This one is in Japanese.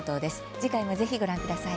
次回も、ぜひご覧ください。